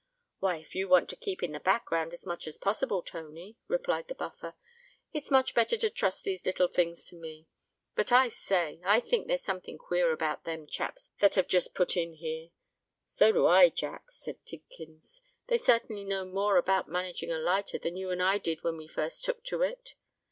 "Why, if you want to keep in the back ground as much as possible, Tony," replied the Buffer, "it's much better to trust these little things to me. But, I say—I think there's something queer about them chaps that have just put in here." "So do I, Jack," said Tidkins. "They certainly know no more about managing a lighter than you and I did when we first took to it."